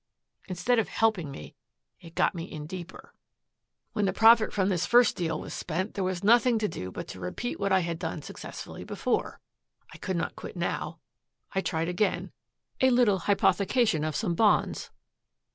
Instead of helping me, it got me in deeper. "When the profit from this first deal was spent there was nothing to do but to repeat what I had done successfully before. I could not quit now. I tried again, a little hypothecation of some bonds.